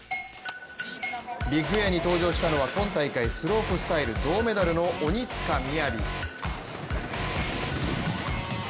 ビッグエアに登場したのは今大会スロープスタイル銅メダルの鬼塚雅。